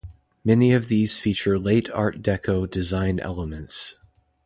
Many of these feature late Art Deco design elements.